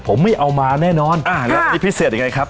ผมไม่เอามาแน่นอนอ่าแล้วอันนี้พิเศษยังไงครับ